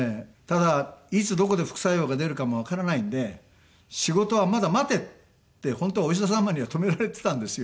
ただいつどこで副作用が出るかもわからないんで「仕事はまだ待て」って本当はお医者様には止められてたんですよ。